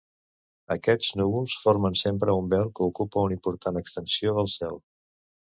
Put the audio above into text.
Aquests núvols formen sempre un vel que ocupa una important extensió del cel.